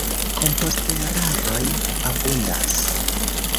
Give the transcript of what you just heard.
Komposteraroj abundas.